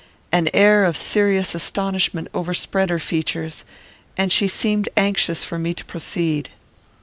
An air of serious astonishment overspread her features, and she seemed anxious for me to proceed.